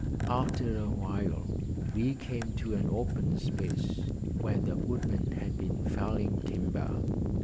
After a while we came to an open space where the woodmen had been felling timber.